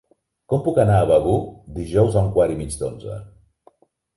Com puc anar a Begur dijous a un quart i mig d'onze?